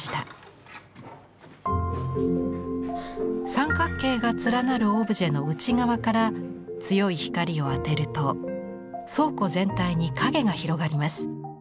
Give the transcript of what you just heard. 三角形が連なるオブジェの内側から強い光を当てると倉庫全体に影が広がります。